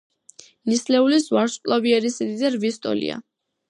ნისლეულის ვარსკვლავიერი სიდიდე რვის ტოლია.